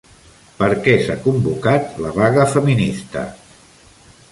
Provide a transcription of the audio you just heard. Per què s'ha convocat la vaga feminista?